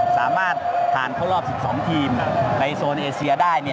สามารถผ่านเข้ารอบ๑๒ทีมในโซนเอเชียได้